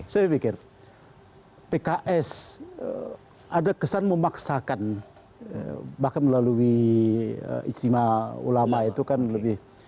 saya pikir pks ada kesan memaksakan bahkan melalui ijtima ulama itu kan lebih